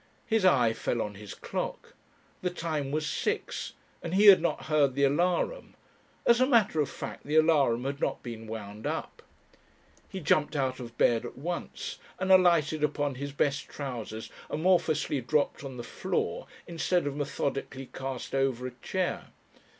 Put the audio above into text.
His eye fell on his clock. The time was six and he had not heard the alarum; as a matter of fact the alarum had not been wound up. He jumped out of bed at once and alighted upon his best trousers amorphously dropped on the floor instead of methodically cast over a chair.